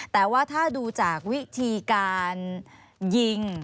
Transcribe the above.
แต่ว่าถ้าดูจากวิธีการยิง